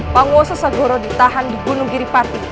penguasa segera ditahan di gunung kiri batik